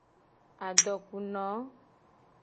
Adokuno.